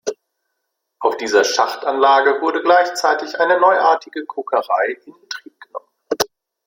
Auf dieser Schachtanlage wurde gleichzeitig eine neuartige Kokerei in Betrieb genommen.